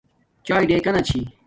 چاݵے ڑیکانا چھی